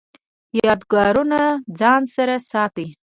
یادګارونه ځان سره ساتئ؟